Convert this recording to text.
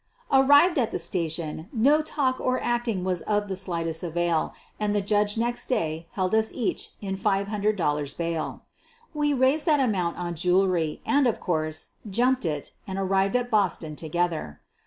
Arrived at the station, no talk or acting was of the slightest avail, and the judge next day held us each in $500 bail. We raised that amount on jewelry, and, of course, "jumped" it and arrived at Boston together.